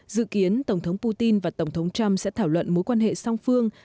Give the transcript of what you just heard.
dự kiến tổng thống putin và tổng thống trump sẽ thảo luận mối quan hệ song phương